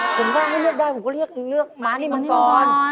ผมก็ให้เลือกได้ผมก็เลือกม้านี่มังกร